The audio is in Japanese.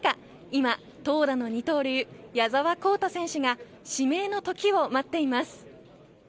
今、投打の二刀流矢澤宏太選手が指名の瞬間を待っています。